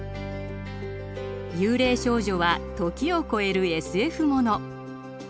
「幽霊少女」は時を超えるＳＦもの。